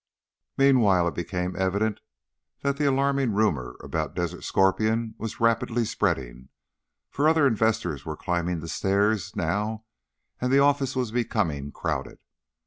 Meanwhile it became evident that the alarming rumor about Desert Scorpion was rapidly spreading, for other investors were climbing the stairs now, and the office was becoming crowded.